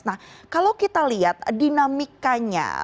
nah kalau kita lihat dinamikanya